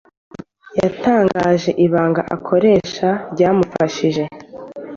Yatangaje ibanga akoresha ryamufashije